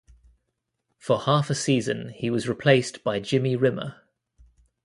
For half a season he was replaced by Jimmy Rimmer.